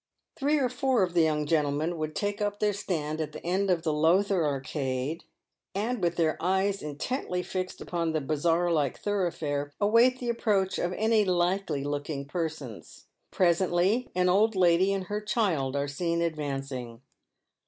Three or four of the young gentlemen would take up their stand at the end near the Lowther Arcade, and with their eyes intently fixed upon the bazaar like thoroughfare, await the approach of any " likely looking" persons. Presently an old lady and her child are seen advancing.